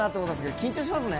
緊張しますね。